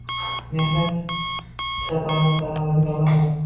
va mehnat shartnomasini tan oladigan odamman.